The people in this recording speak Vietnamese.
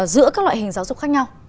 giữa các loại hình giáo dục khác nhau